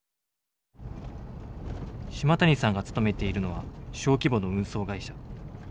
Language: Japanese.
島谷さんが勤めているのは小規模の運送会社。